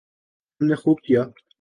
ہم نے خوب کیا۔